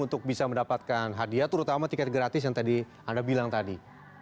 untuk bisa mendapatkan hadiah terutama tiket gratis yang tadi anda bilang tadi